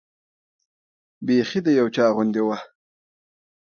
بیخي د یو چا غوندې وه.